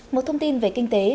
một thông tin đặc biệt